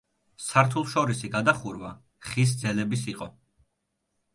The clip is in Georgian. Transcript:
სართულშორისი გადახურვა ხის ძელების იყო.